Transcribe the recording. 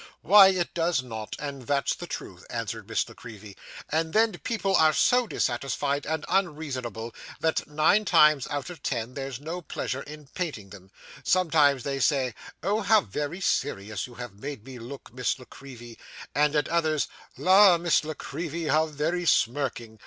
'Why, it does not, and that's the truth,' answered Miss La Creevy; 'and then people are so dissatisfied and unreasonable, that, nine times out of ten, there's no pleasure in painting them. Sometimes they say, "Oh, how very serious you have made me look, Miss La Creevy!" and at others, "La, Miss La Creevy, how very smirking!"